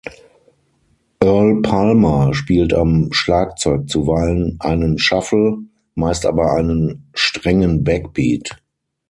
Earl Palmer spielt am Schlagzeug zuweilen einen Shuffle, meist aber einen strengen Backbeat.